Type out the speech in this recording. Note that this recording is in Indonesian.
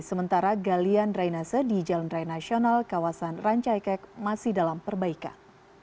sementara galian rai nase di jalan rai nasional kawasan rancaikek masih dalam perbaikan